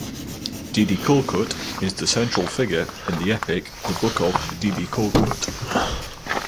Dede Korkut is the central figure in the epic The Book of Dede Korkut.